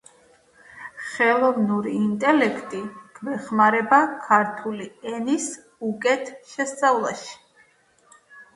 სისხლის აგენტები შეუძლებელს ხდიან ადამიანის სისხლში ჟანგბადის შენარჩუნებასა და ტრანსპორტირებას ორგანიზმის თითოეულ წერტილებში.